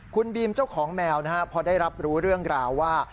คุณบีมเจ้าของแมวนะฮะพอได้รับรู้เรื่องราวว่า